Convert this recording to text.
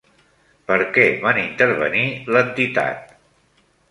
Per què van intervenir l'entitat?